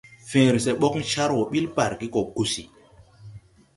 Fęęre sɛ bogn car wɔ bil barge gɔ gùsi.